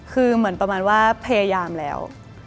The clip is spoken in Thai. คือเหมือนประมาณว่าพยายามแล้ว